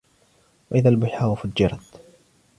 وإذا البحار فجرت